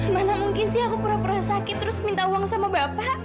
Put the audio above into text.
mana mungkin sih aku pura pura sakit terus minta uang sama bapak